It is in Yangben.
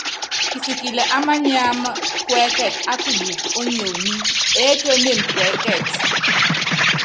Kisikilɛ á mániáma kuɛ́kɛt á kuyuuku ónyionyi, eétuénen kuɛkɛt.